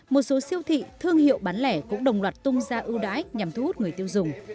một số siêu thị thương hiệu bán lẻ cũng đồng loạt tung ra ưu đãi nhằm thu hút người tiêu dùng